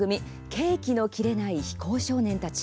「ケーキの切れない非行少年たち」。